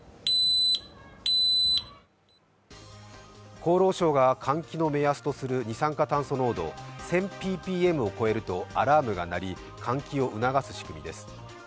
厚労省が換気の目安とする二酸化炭素濃度１０００ｐｐｍを超えるとアラームが鳴り換気を促す仕組みです。